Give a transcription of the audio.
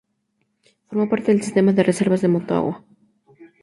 Formó parte del sistema de reservas del Motagua.